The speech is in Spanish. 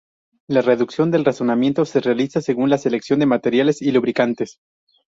La reducción del rozamiento se realiza según la selección de materiales y lubricantes.